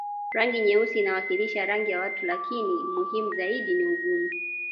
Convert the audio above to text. Rangi nyeusi inawakilisha rangi ya watu lakini muhimu zaidi ni ugumu